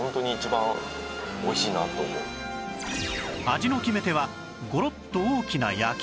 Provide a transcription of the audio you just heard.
味の決め手はゴロッと大きな焼き豚